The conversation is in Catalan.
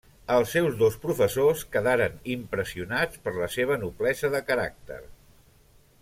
Els seus dos professors quedaren impressionats per la seva noblesa de caràcter.